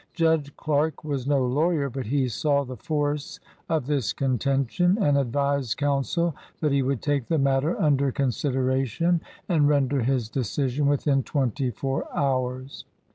Judge Clark was no lawyer, but he saw the force of this contention, and advised counsel that he would take the matter under con sideration and render his decision within twenty four hours.